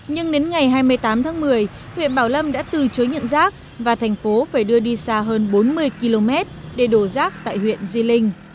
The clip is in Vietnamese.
nhưng đến ngày hai mươi tám tháng một mươi huyện bảo lâm đã từ chối nhận rác và thành phố phải đưa đi xa hơn bốn mươi km để đổ rác tại huyện di linh